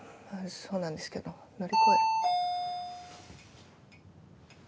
そうなんですけど乗り越え。